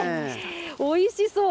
おいしそう。